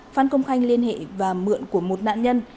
phan công khanh liên hệ và mượn của một nạn nhân